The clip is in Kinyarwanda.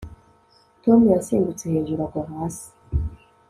tom yasimbutse hejuru agwa hasi